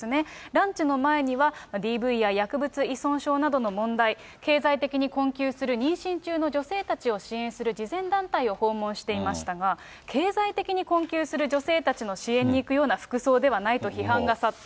ランチの前には、ＤＶや薬物依存症などの問題、経済的に困窮する妊娠中の女性たちを支援する慈善団体を訪問していましたが、経済的に困窮する女性たちの支援に行くような服装ではないと批判が殺到。